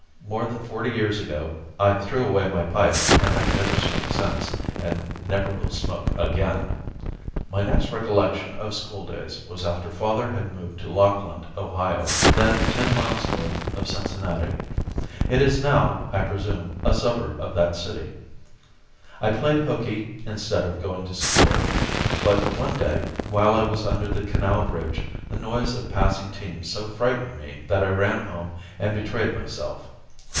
More than forty years ago I threw away my pipe and have never smoked since, and never will smoke again. My next recollection of school days was after father had moved to Lockland, Ohio, then ten miles north of Cincinnati. It is now, I presume, a suburb of that city. I played hooky instead of going to school; but one day, while I was under the canal bridge, the noise of passing teams so frightened me that I ran home and betrayed myself.